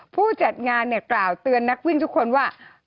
ผู้จัดงานเนี่ยกล่าวเตือนนักวิ่งทุกคนว่า